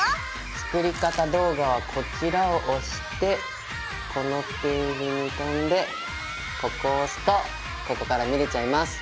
作り方動画はこちらを押してこのページに飛んでここを押すとここから見れちゃいます。